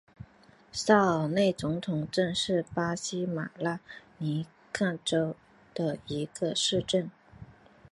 萨尔内总统镇是巴西马拉尼昂州的一个市镇。